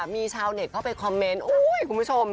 มีชาวเน็ตเข้าไปคอมเมนต์อุ้ยคุณผู้ชม